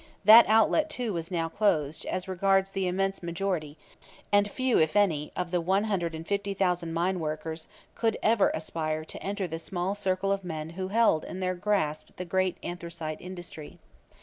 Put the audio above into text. That outlet too was now closed, as regards the immense majority, and few, if any, of the one hundred and fifty thousand mine workers could ever aspire to enter the small circle of men who held in their grasp the great anthracite industry.